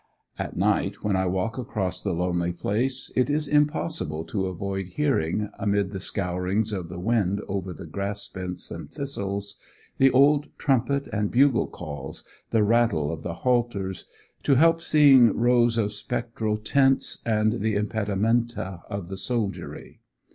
At night, when I walk across the lonely place, it is impossible to avoid hearing, amid the scourings of the wind over the grass bents and thistles, the old trumpet and bugle calls, the rattle of the halters; to help seeing rows of spectral tents and the impedimenta of the soldiery.